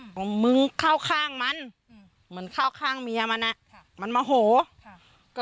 อืมมึงเข้าข้างมันมันเข้าข้างเมียมันอ่ะมันมาโหค่ะ